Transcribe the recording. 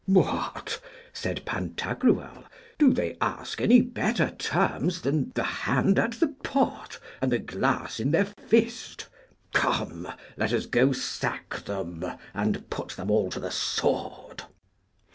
What! said Pantagruel, do they ask any better terms than the hand at the pot and the glass in their fist? Come, let us go sack them, and put them all to the sword.